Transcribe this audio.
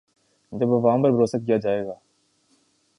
جب عوام پر بھروسہ کیا جائے گا۔